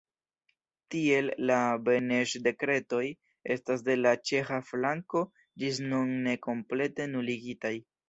Tiel, la Beneŝ-dekretoj estas de la ĉeĥa flanko ĝis nun ne komplete nuligitaj.